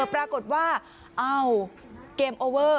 ปรากฏว่าเอ้าเกมโอเวอร์